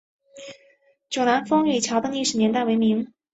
迥澜风雨桥的历史年代为明。